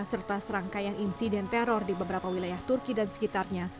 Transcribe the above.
serta serangkaian insiden teror di beberapa wilayah turki dan sekitarnya